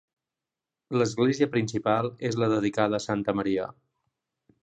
L'església principal és la dedicada a santa Maria.